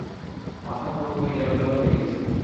মাথা পুরোপুরি এলোমেলো হয়ে গেছে।